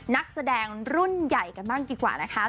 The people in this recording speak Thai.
นักแสดงรุ่นใหญ่กันบ้างดีกว่านะคะ